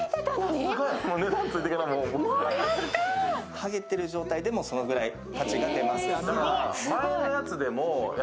はげてる状態でもそのくらい価値が出ます。